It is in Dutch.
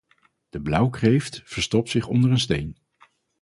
De blauwe kreeft verstopt zich onder een steen.